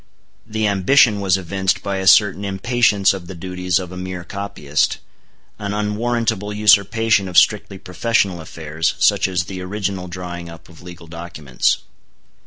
The ambition was evinced by a certain impatience of the duties of a mere copyist, an unwarrantable usurpation of strictly professional affairs, such as the original drawing up of legal documents.